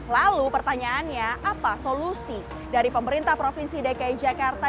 lalu pertanyaannya apa solusi dari pemerintah provinsi dki jakarta